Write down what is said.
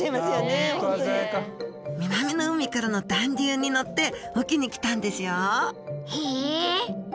南の海からの暖流に乗って隠岐に来たんですよへえ！